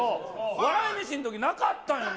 笑い飯のとき、なかったんやな。